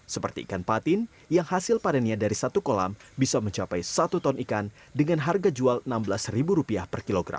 seperti ikan patin yang hasil panennya dari satu kolam bisa mencapai satu ton ikan dengan harga jual rp enam belas per kilogram